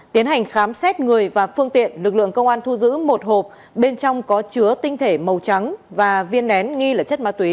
tiến hành khám xét người và phương tiện lực lượng công an thu giữ một hộp bên trong có chứa tinh thể màu trắng và viên nén nghi là chất ma túy